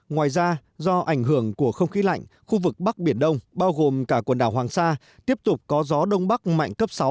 ngoài ra do ảnh hưởng của không khí lạnh khu vực bắc biển đông bao gồm cả quần đảo hoàng sa tiếp tục có gió đông bắc mạnh cấp sáu